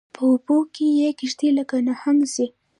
په اوبو کې یې کشتۍ لکه نهنګ ځي